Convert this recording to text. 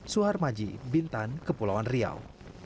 suhar maji bintan kepulauan riau